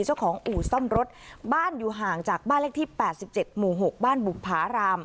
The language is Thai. อู่ซ่อมรถบ้านอยู่ห่างจากบ้านเลขที่๘๗หมู่๖บ้านบุภาราม